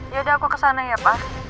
yaudah aku kesana ya pak